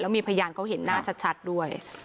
มีพยานเขาเห็นหน้าชัดด้วย